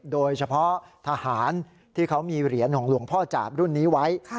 โดยเฉพาะทหารที่เขามีเหรียญของหลวงพ่อจาบรุ่นนี้ไว้